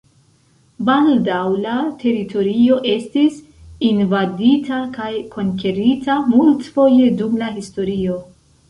Baldaŭ la teritorio estis invadita kaj konkerita multfoje dum la historio.